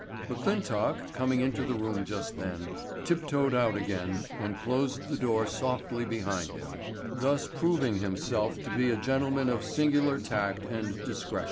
McClintock, coming into the room just then, tip toed out again and closed the door softly behind him, thus proving himself to be a gentleman of singular tact and discretion.